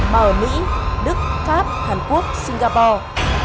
mà ở mỹ đức pháp hàn quốc singapore